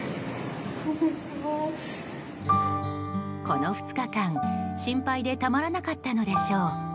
この２日間、心配でたまらなかったのでしょう。